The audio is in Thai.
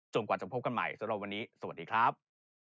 กว่าจะพบกันใหม่สำหรับวันนี้สวัสดีครับ